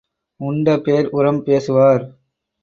உண்ட பேர் உரம் பேசுவார்.